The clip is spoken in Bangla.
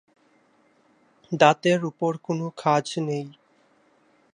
দাঁতের উপর কোন খাঁজ নেই।